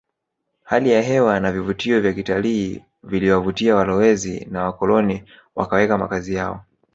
Hali ya hewa na vivutio vya kitalii viliwavutia walowezi na wakoloni wakaweka makazi yao